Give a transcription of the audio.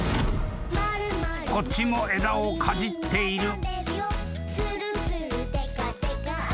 ［こっちも枝をかじっている］